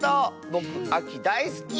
ぼくあきだいすき！